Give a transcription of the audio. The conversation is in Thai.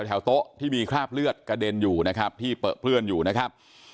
แถวโต๊ะที่มีคราบเลือดกระเด็นอยู่นะครับที่เปลือเปื้อนอยู่นะครับ